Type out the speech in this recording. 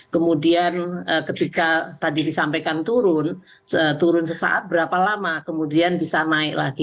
kemudian ketika tadi disampaikan turun turun sesaat berapa lama kemudian bisa naik lagi